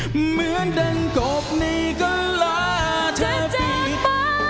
เหมือนเดินกบนี่ก็ลาชาปีก